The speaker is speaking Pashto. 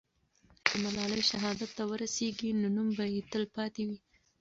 که ملالۍ شهادت ته ورسېږي، نو نوم به یې تل پاتې وي.